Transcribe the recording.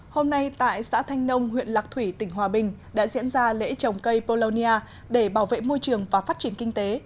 hôm nay tại xã thanh nông huyện lạc thủy tỉnh hòa bình đã diễn ra lễ trồng cây polonia để bảo vệ môi trường và phát triển kinh tế